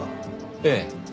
ええ。